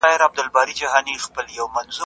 ډیپلوماټیک استازي باید د هېواد د کلتور پوهان وي.